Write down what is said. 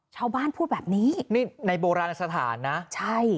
ชาวบ้านพูดแบบนี้นี่ในโบราณสถานนะใช่